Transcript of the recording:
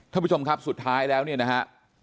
ท่านผู้ชมครับสุดท้ายแล้วนี่นะฮะ